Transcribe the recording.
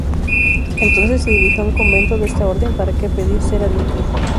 Entonces se dirigió a un convento de esta Orden para que pedir ser admitido.